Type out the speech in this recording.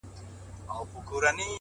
خدايه ښه نـری بـاران پرې وكړې نن ـ